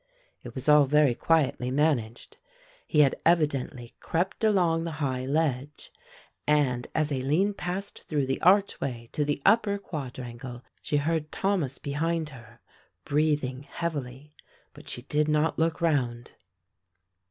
It was all very quietly managed, he had evidently crept along the high ledge, and as Aline passed through the archway to the upper quadrangle she heard Thomas behind her breathing heavily, but she did not look round.